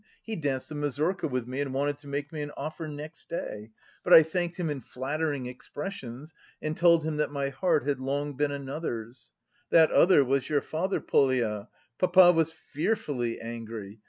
he danced the mazurka with me and wanted to make me an offer next day; but I thanked him in flattering expressions and told him that my heart had long been another's. That other was your father, Polya; papa was fearfully angry....